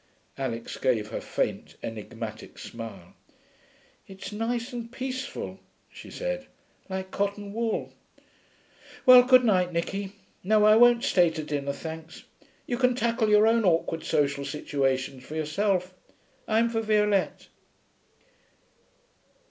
Alix gave her faint, enigmatic smile. 'It's nice and peaceful,' she said. 'Like cotton wool.... Well, good night, Nicky. No, I won't stay to dinner, thanks. You can tackle your own awkward social situations for yourself. I'm for Violette.'